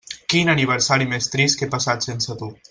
Quin aniversari més trist que he passat sense tu.